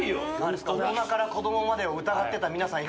大人から子どもまでを疑ってた皆さん